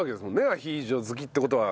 アヒージョ好きって事は。